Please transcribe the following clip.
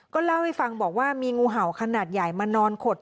เล่าให้ฟังบอกว่ามีงูเห่าขนาดใหญ่มานอนขด